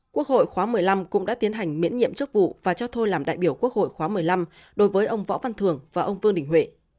quốc hội khóa một mươi năm cũng đã tiến hành miễn nhiệm chức vụ và cho thôi làm đại biểu quốc hội khóa một mươi năm đối với ông võ văn thường và ông vương đình huệ